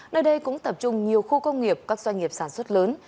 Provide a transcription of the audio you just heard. nơi đây cũng tập trung nhiều khu công nghiệp các doanh nghiệp sản xuất lớn